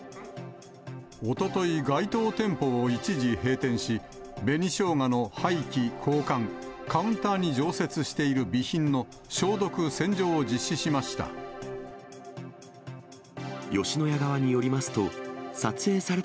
おととい、該当店舗を一時閉店し、紅しょうがの廃棄、交換、カウンターに常設している備品の消毒・洗浄を実施しました。